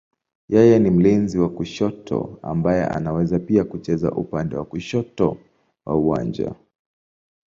Yeye ni mlinzi wa kushoto ambaye anaweza pia kucheza upande wa kushoto wa uwanja.